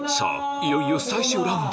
いよいよ最終ラウンド